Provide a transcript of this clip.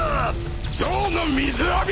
ゾウの水浴び！